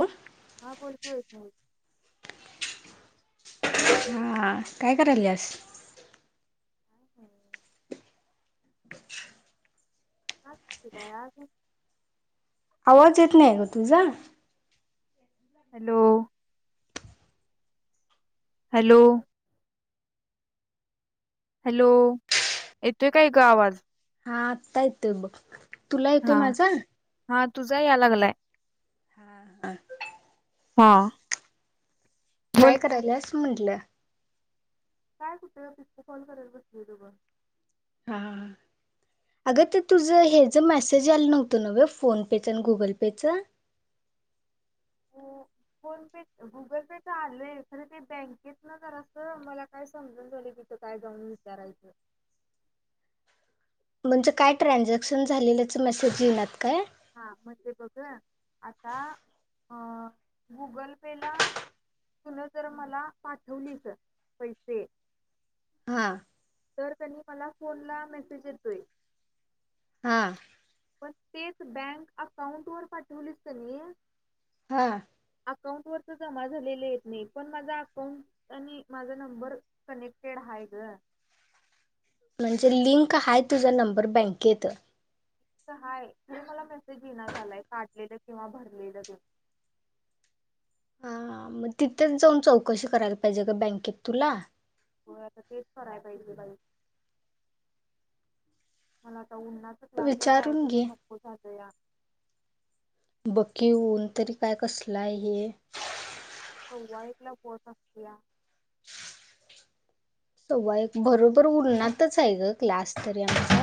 हो [unintelligible] हा बोल तू ऐकालोय. हा आ काय कराल्यास. हा हा [unintelligible] [unintelligible] याज आवाज येत नहीं ग तुझा. हॅलो. हॅलो. हॅलो येतोय काय ग आवाज? हा आत्ता येतोय बघ. तुला येतोय हा माझा? हा तुझा या लागलाय. हा. हा. हा. बोल काय की कराल्यास म्हटलं.? काय कुटं पिको फॉल करत बसलेलो बघ. हा. अगं ते तुझं. हेज मेसेज आल नव्हतं नवं ग. फोन पे. च आणि गुगल पे. च. फोन पे गुगल पे तर आलय. खर ते बँकेत न जरास मला काय समजना झालंय. काय जाऊन विचारायचं. म्हणजे काय ट्रानझॅक्शन झालेल्याच मेसेज इनात काय.? हा म्हनजे बघ आता अं गुगल पेला. तुन जर मला पाठवलीस पैसे. हा. तर कणी मला फोन ला मेसेज येतोय. हा. पण तेच बँक अकाउंट वर पाठवलीस कणी हा. अकाउंट वरच जमा झालेलं येत नाही. पण माज अकाउंट आणि माज नंबर कनेक्टेड हाय. हाय ग. म्हणजे लिंक हाय तुझा नंबर बँकेत. हाय खर मला मेसेज इना झालाय काढलेलं. काढलेलं किंवा भरलेलं तेन. हा मग तिथंच जाऊन चौकशी करायला पाहिजे गं बँकेत तुला. होय आता तेच कराय पाहिजे बाई. मला आता उन्हाच क्लासला विचारून जायचं घे. पण नको झालंया. ब की ऊन तरी काय कसलं आहे हे. सव्वा एकला पोत असत्या. सव्वा एक, बरोबर उन्हातच आहे गं क्लास तरी आमचा.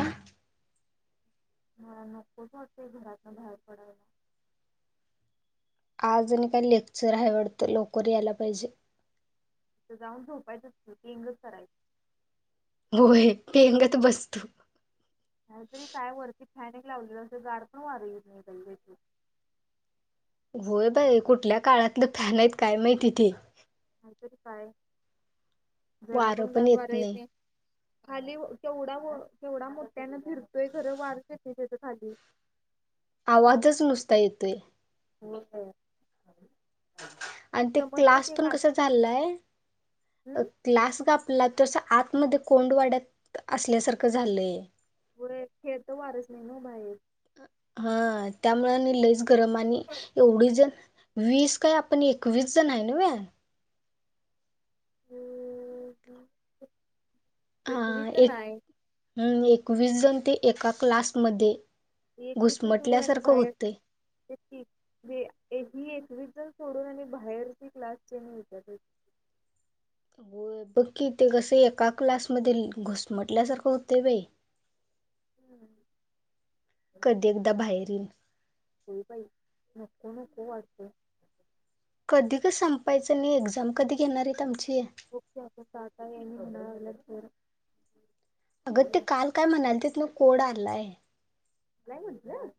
मला नकोच वाटतंय घरातनं बाहेर पडायला. आज आणि काय लेक्चर आहे वाडतं, लवकर यायला पाहिजे. तिथं जाऊन झोपायचंच की पेंगच करायचं. होय पेंगत बस तु. काहीतरी काय वरती फॅन एक लावलेला असतोय गारपण वार येत नाही काही त्या. होय बाई कुठल्या काळातलं फॅन आहेत काय माहिती ते. नाहीतरी काय. वार पण येत नाही. खाली केवढ्या मो केवढा मोठ्यानं फिरतोय खरं वारच येत नाही त्याच खाली. आवाजच नुसता येतोय. म काय झा [inaudible] आणि ते क्लासपण कस झालाय? हम्म क्लास गं आपला तो असा आत मध्ये कोंड वाड्यात असल्यासारखं झालंय. व्हय खेळतं वारच नाही नव्ह बाहेर. हा त्यामुळे आणि लईच गरम आणि एवढी जण वीस काय आपण एकवीस जण हाय नव्हे? हा एकवीच एक नाय हम् एकवीस जण ते एका क्लासमध्ये. ते एकवीसच सोडून आणि घुसमटल्यासारखं बाहेर होतंय. [inaudible] तेच की बी एकवीस इतर सोडून आणि बाहेरची क्लासची आणि येतातच. [inaudible] होय बघ की ते कसं एका क्लास मध्ये ल घुसमटल्यासारखं होतंय बाई. [inaudible] हम्म. [inaudible] कधी एकदा बाहेर येईन. [inaudible] होय बाई नको नको वाटतंय. [inaudible] कधी गं संपायचं. आणि एक्झाम कधी घेणार आहेत आमची? बग की आता तारका याय नाही म्हणा लागल्यात. अगं ते काल काय म्हणालतीत ना कोड आणलाय. नाही म्हंटल?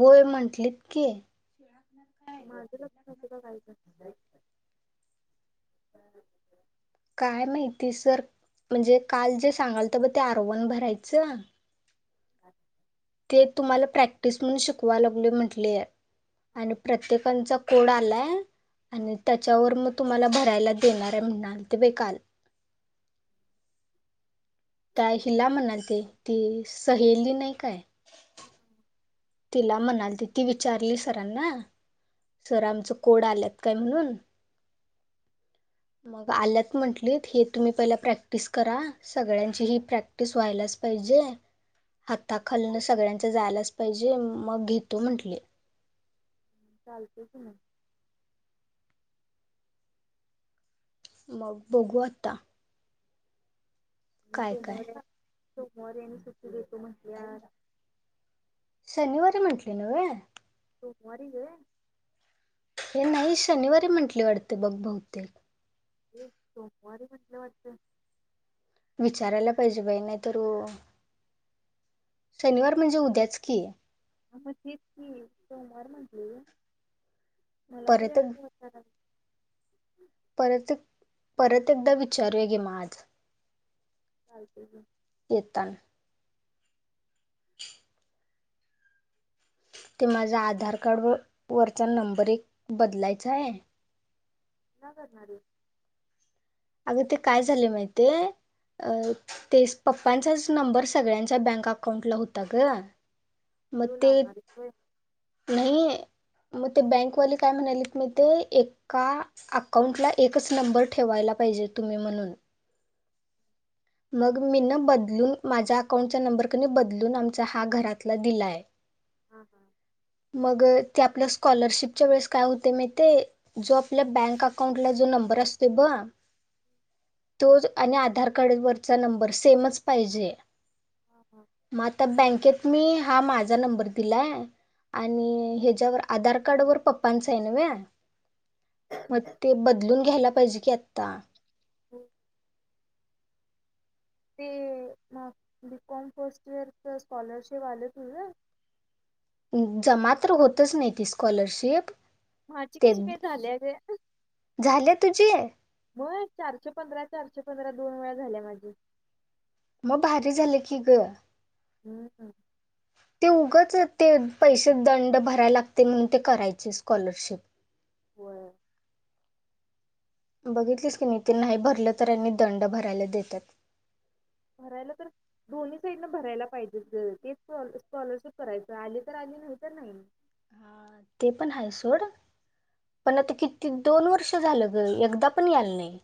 होय म्हंटलीत की. माझं लक्ष नव्हतं का काय गं? [inaudible] [unintelligible] काय माहिती सर. म्हणजे काल जे सांगालत ब ते आरवन भरायचं. अ [unintelligible] ते तुम्हाला प्रॅक्टिस म्हणून शिकवा लागलोय म्हटले. आणि प्रत्येकांचा. कोड आलाय आणि त्याच्यावर मग. तुम्हाला भरायला देणार आहे म्हणालते बाई काल. त्या हिला म्हणालते ती सहेली नाही काय? हम हम. तिला म्हणालती. ती विचारली सरांना - - सर आमचं कोड आल्यात काय? म्हणून मग आल्यात म्हंटलीत, हे तुम्ही पहिला प्रॅक्टिस करा सगळ्यांची ही प्रॅक्टिस व्हायलाच पाहि जे, हाता खालनं सगळ्यांच्या जायलाच - - पाहिजे मग घेतो म्हटले. चालतेय की मग. मग बघू आता. आणि काय काय सोमवारी, सोमवारी आणि सुटी देतो म्हटल्यात. शनिवारी म्हंटलेलं व्हय? सोमवारी गं. ए नाही शनिवारी म्हंटले वाटते बघ बहुतेक. सोमवारी म्हटलं वाटतं. विचारायला पाहिजे बाई नाही तर शनिवार म्हणजे उद्याच की. हा म तेच की सोमवार म्हटले मला तरी परत अस वाटतय ना - - परत एक परत एकदा विचारूया घे म आज. चालतय की - - येताना. ते माझ्या आधार कार्ड वर वरचा नंबर एक बदलायचाय. का करणार हैस. अगं ते काय झालयं माहितीयं? अ ते पप्पांचाच नंबर सगळ्यांच्या बँक अकाउंटला होता ग. मग तो ते लावणार हैस होय. नाही मग ते हा बँकवाले काय म्हणायलेत मी ते एका अकाउंटला एकच नंबर ठेवायला पाहिजे तुम्ही म्हणून. मग मी न बदलून माझ्या अकाउंटचा नंबर कनी बदलून आमचा हा घरातला दिलाय. हम हम. मग ते आपल्या स्कॉलरशिपच्या वेळेस काय होतेयं माहितीयं जो आपल्या बँक अकाउंटला जो नंबर असतोय ब तो आणि आधार कार्ड वरचा नंबर सेमच पाहिजे. हा, हा. म आता बँकेत मी हा माझा नंबर दिलाय आणि हेच्यावर आधार कार्ड वर पप्पांचा हाय नवे. मग ते बदलून घ्यायला पाहिजे की आता. हो. ते म बीकॉम फर्स्ट इयर च स्कॉलरशिप आल तुझ? जमा तर होतच नाहीच नाही ती स्कॉलरशिप माझी ते कशी काय झालीया गं. झाले तुझे? व्हय. चारशे पंधरा, चारशे पंधरा दोन वेळा झाल्या माझी. मग भारी झालं की गं. हम्मम्. त ते पैसे दंड भराय लागतयं म्हणून ते करायची स्कॉलरशिप. होय बघितलीस की नाही ते नाही भरलं तर आणि दंड भरायला देत्यात. भरायला तर दोन्ही साईडन भरायला पाहिजेच गं ते स्कॉलरशिप भरायचं आली तर आली नाही तर नाही. हा ते पण हाय सोड पण आता किती दोन वर्ष झालं गं एकदा पण याल नाही.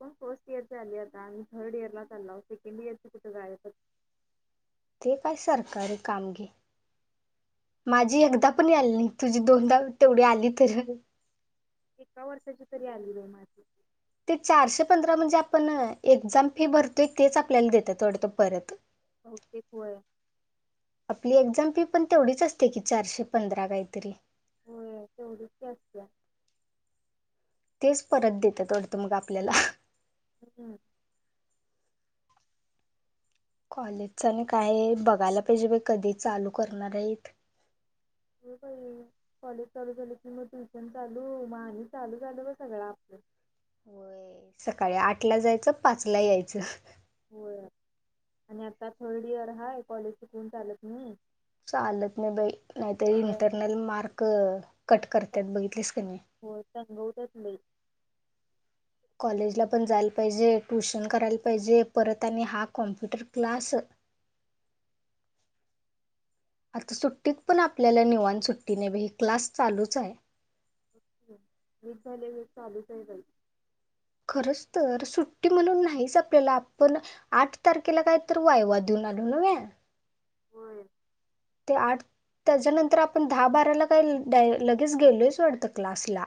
पण फर्स्ट इयर ची आली आता. आम्ही थर्ड इयरला चाललो. सेकंडइयर ची कुठं गायबचं - - ते काय सरकारी काम घे. माझी एकदा पण याली नाही तुझी दोनदा तेवढी आली तर एका वर्षाची तरी आली बाई माझी. ते चारशे पंधरा म्हणजे आपण एक्झाम फी भरतोय तेच आपल्याला देतात वाटत परत. बहुतेक व्हय. ती पण तेवढीच असते की चारशे पंधरा काहीतरी. होय तेवढीच की असतेया. तेच परत देतात वाटतं मग आपल्याला. हम्म. कॉलेजच आणि काय बघायला पाहिजे बाई कधी चालू करणार आहेत. [inaudible] होय बाई कॉलेज चालू झाली कि मग ट्युशन चालू मग आणि चालू झालं ब सगळं आपलं. होय सकाळी आठ ला जायचं पाचला यायचं. होय आणि आता थर्ड इयर हा कॉलेज शिकून चालत नाही. चालत नाही बाई नाहीतरी सगळं इंटरनल मार्क कट करतात बघितलीस का नाही. होय तंगवत्यात लई. कॉलेजला पण जायला पाहिजे ट्युशन करायला पाहिजे परत आणि हा कॉम्प्युटर क्लास. [inaudible] आता सुट्टीत पण आपल्याला निवाण सुट्टीनेही क्लास चालूच आहे. मी झाले व चालूच आहे बाई. खरच तर सुट्टी म्हणून नाहीच आपल्याला आपण आठ तारखेला काय तर वायवा देऊन आलो नवे. होय ते आठ त्याच्यानंतर आपण दहा बाराला काही लगेच गेलोच वाटतं क्लासला.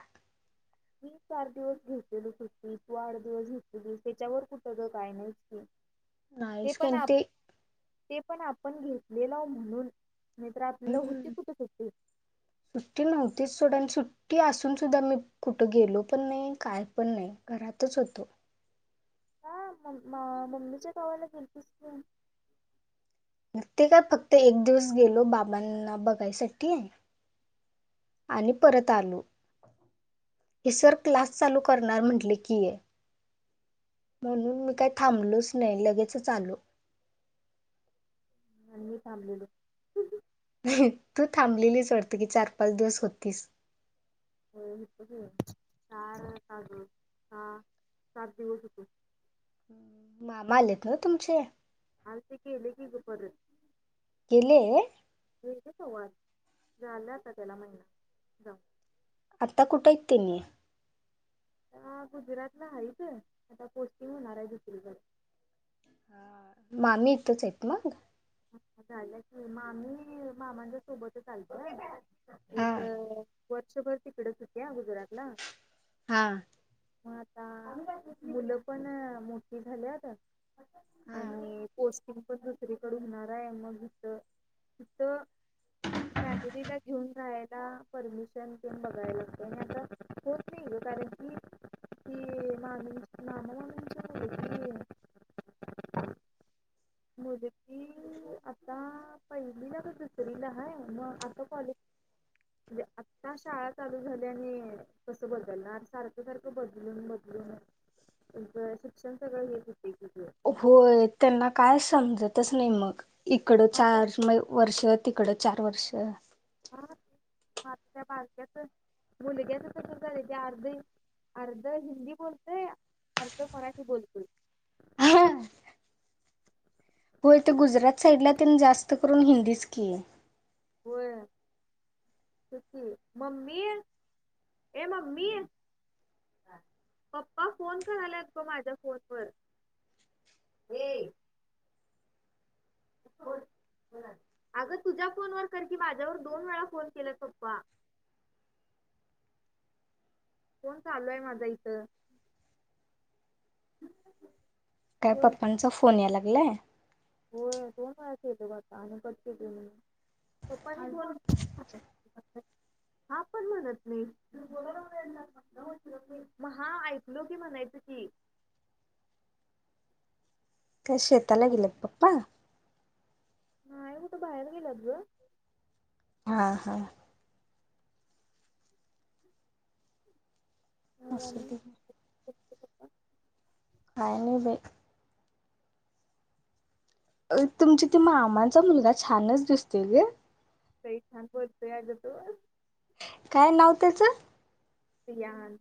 मी चार दिवस घेतलेल कती किवा आठ दिवस घेतलेली त्याच्यावर कुठं ग काय नाहीच की. ते नाहीच की पण आणि आप ते पण आपण घेतलेल म्हणून. नाहीतर आपल्याला होती हम्म कुठे सुट्टी सुट्टी नव्हतीच सोड आणि सु टी असून सुद्धा मी कुठे गेलो पण नाही काय पण नाही घरातच होतो. का म मम्मीच्या गावाला गेतीस ती. हम्म ते का फक्त एक दिवस गेलो बाबांना बघायसाठी. आणि परत आलो. हे सर क्लास चालू करणार म्हटले की. म्हणून मी काही थांबलोच नाही लगेचच आलो. आणि मी थांबलेलो. तू थांबलेलीच वाडत की चार पाच दिवस होतीस. होय होतो की चार का ग सहा सात दिवस होतो. हम्म मामा आलेत होय तुमचे? आलते गेले की ग परत. गेलेये. गेले कवाच, झाला आता त्याला महिना जाऊन. आत्ता कुठे आहेत त्यांनी? आत्ता गुजरातला आहे त आता पोस्टिंग होणार आहे दुसरीकडं. ह मामी इथंच आहेत मग? झाल्या कि मामी मामांच्या सोबतच आलत्या. हा. वर्षभर तिकडत होत्या गुजुरातला. हा. मग आता मुलं पण मोठी झाल्यात हा आणि पोस्टिंग पण दुसरी कड होणार आहे मग इथ इथ फॅमिलीला घेऊन जायला परमिशन तेन बघायला लागत आणि आता होत नाही. कारण की ती मामी मामा मामी ची मुलगी [inaudible] [unintelligible] [inaudible] आत्ता पहिलीला काय दुसरीला आहे मग आता कॉलेज म्हणजे आत्ता त्या शाळा चालू झाल्या आणि कसं बदलणार सारखं सारखं बदलून बदलून शिक्षण सगळं हेच होत. होय त्यांना काय समजतच नाही मग. इकडं मग त्या चार म वर्ष तिकडं चार वर्ष मग [inaudible] [unintelligible] अर्ध हिंदी बोलतोय अर्ध मराठी बोलतोय. हा होय तर गुजरात साईडला त्यां जास्त करून हिंदीच की व्हय सुकी मम्मीर ए मम्मीर पप्पा फोन करायलेत ब माझ्या फोन वर. हे [inaudible] अगं तुझ्या फोन व कर की माझ्यावर दोन वेळा फोन केला पप्पा. [inaudible] फोन चालू आहे माझा इथं. काय बोल पप्पांचा फोन या लागलाय. [unintelligible] [inaudible] हा पण म्हणत नाही. म हा ऐकलो की म्हणायच की काय शेताला गेलं पप्पा नाही कुठं बाहेर गेलात ग आ हां मग आम्ही [unintelligible] काय नही बई अ तुमची ते मामांचा मुलगा छानच दिसतोय ग. ताई छान पळतोय अग तो. काय नाव त्याचं? रियान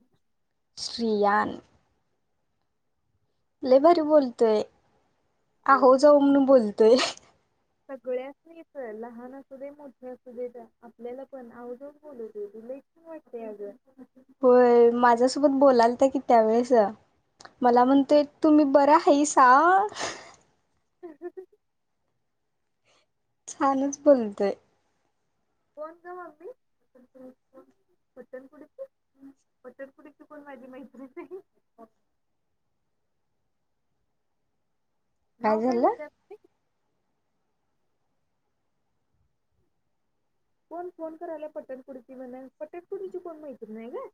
श्रीयान लय भारी बोलतोय. आहो जाहो म्हणून बोलतोय. सगळ्यासनीस लहान असू दे मोठे असू दे आपल्याला पण आवजाऊ बोलवतो तो. लई छान वाटतंय अगं. [inaudible] होय माझ्यासोबत बोलालता की त्यावेेळेस. मला हा, हा. म्हणतोय तुम्ही बर आहे सा. [inaudible] छानच बोलतय. कोण ग मम्मी पटणपुडीची माझी मैत्रीच आहे. [inaudible] नाव काय विचारते. कोण फोन करायला पटणपुडीची म्हणा पटणपुडीची कोण माैत्री आहे ग.